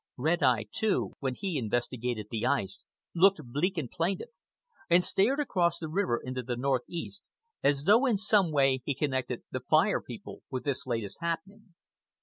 Red Eye, too, when he investigated the ice, looked bleak and plaintive, and stared across the river into the northeast, as though in some way he connected the Fire People with this latest happening.